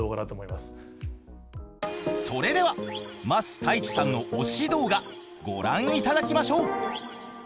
それでは桝太一さんの推し動画ご覧いただきましょう！